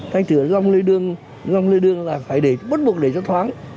thành thửa dòng lệ đường là phải để bất buộc để cho thoáng